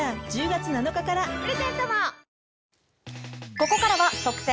ここからは特選！！